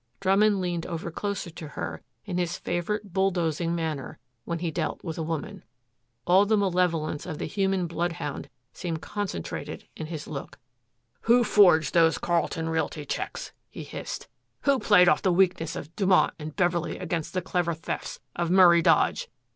Drummond leaned over closer to her in his favorite bulldozing manner when he dealt with a woman. All the malevolence of the human bloodhound seemed concentrated in his look. "Who forged those Carlton Realty checks?" he hissed. "Who played off the weakness of Dumont and Beverley against the clever thefts of Murray Dodge!